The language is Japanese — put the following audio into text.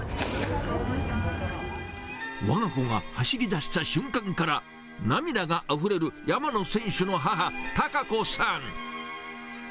わが子が走りだした瞬間から、涙があふれる、山野選手の母、貴子さん。